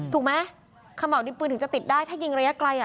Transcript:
ถูกไหมขม่าวดินปืนถึงจะติดได้ถ้ายิงระยะไกล